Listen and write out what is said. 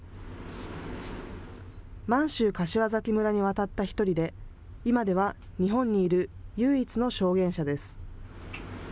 満州柏崎村に渡った１人で今では日本にいる唯一の証言者です。